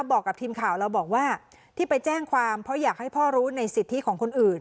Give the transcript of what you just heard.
บอกกับทีมข่าวเราบอกว่าที่ไปแจ้งความเพราะอยากให้พ่อรู้ในสิทธิของคนอื่น